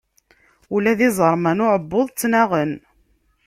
Ula d iẓerman n uɛebbuḍ ttnaɣen.